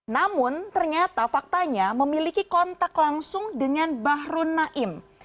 namun ternyata faktanya memiliki kontak langsung dengan bahru naim